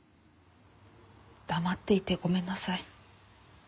黙っていてごめんなさい。